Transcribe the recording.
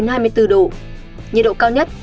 nhiệt độ cao nhất